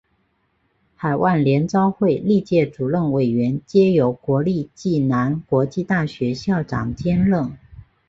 海外联招会历届主任委员皆由国立暨南国际大学校长兼任。